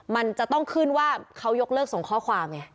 มันจะต้องขึ้นว่าเขายกเลิกส่งข้อความไง